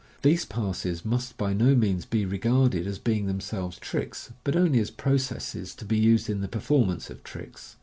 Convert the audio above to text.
These pnsses must by no means be regarded as being themselves tricks, but only as processes to be used in the performance of tricks.